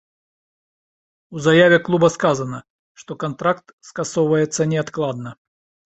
У заяве клуба сказана, што кантракт скасоўваецца неадкладна.